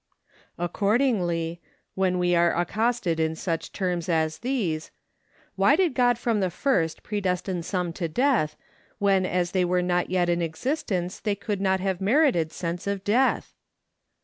] Accordingly, when we are accosted in such terms as these: Why did God from the first predestine some to death, when as they were not yet in existence, they could not have merited sentence of death?